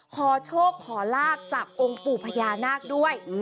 ขอโชคขอลาบจากองค์ปู่พญานาคด้วย